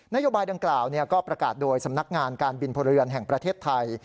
โยบายดังกล่าวก็ประกาศโดยสำนักงานการบินพลเรือนแห่งประเทศไทย